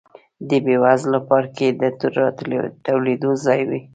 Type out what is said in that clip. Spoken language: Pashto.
د بېوزله پاړکي د راټولېدو ځای و.